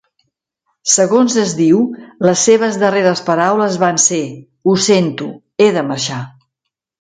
Segons es diu, les seves darreres paraules van ser: Ho sento, he de marxar.